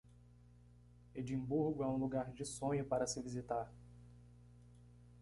Edimburgo é um lugar de sonho para se visitar.